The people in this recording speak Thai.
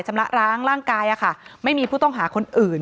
ละร้างร่างกายไม่มีผู้ต้องหาคนอื่น